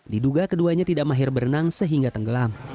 diduga keduanya tidak mahir berenang sehingga tenggelam